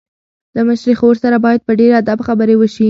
له مشرې خور سره باید په ډېر ادب خبرې وشي.